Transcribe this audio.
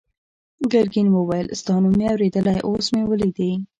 ګرګین وویل ستا نوم مې اورېدلی اوس مې ولیدې.